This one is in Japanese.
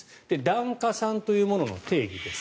檀家さんというものの定義です。